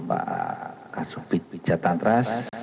pak kasus pijat tantras